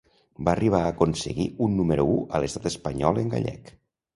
Va arribar a aconseguir un número u a l'estat espanyol en gallec.